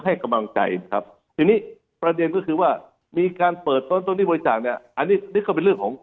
ฯิวนี้ประเด็นก็คือว่ามีการเปิดต้นต้นที่บริจาคเนี้ยอันนี้นี่ก็เป็นเรื่องของ